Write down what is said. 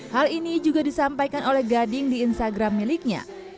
hal ini juga disampaikan oleh gading di instagram miliknya